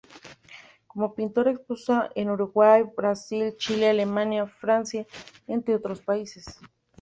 Como pintora expuso en Uruguay, Brasil, Chile, Alemania, Francia, entre otros países.